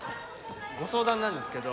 ご相談なんですけど。